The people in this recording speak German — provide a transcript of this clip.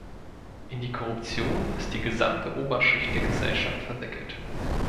In die Korruption ist die gesamte Oberschicht der Gesellschaft verwickelt.